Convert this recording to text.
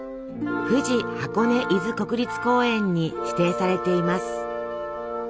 富士箱根伊豆国立公園に指定されています。